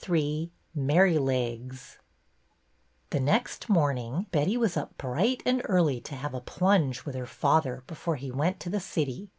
Ill MERRYLEGS T he next morning Betty was up bright and early to have a plunge with her father before he went to the city.